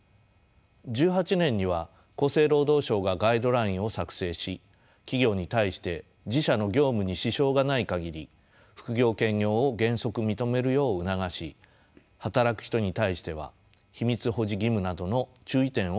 １８年には厚生労働省がガイドラインを作成し企業に対して自社の業務に支障がない限り副業・兼業を原則認めるよう促し働く人に対しては秘密保持義務などの注意点をまとめています。